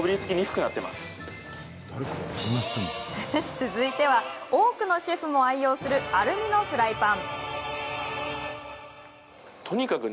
続いては多くのシェフも愛用するアルミのフライパン。